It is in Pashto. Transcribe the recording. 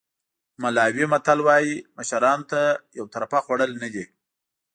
ملاوي متل وایي مشرانو ته یو طرفه خوړل نه دي.